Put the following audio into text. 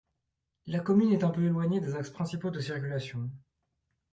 La commune est un peu éloignée des axes principaux de circulation.